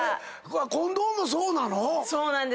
近藤もそうなの？